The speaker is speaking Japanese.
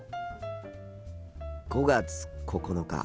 ５月９日。